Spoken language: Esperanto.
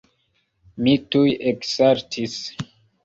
Mi tuj eksaltis.